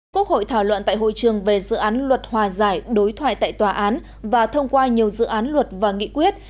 quốc hội thảo luận tại hội trường về dự án luật hòa giải đối thoại tại tòa án và thông qua nhiều dự án luật và nghị quyết